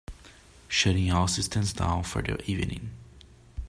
Shutting all systems down for the evening.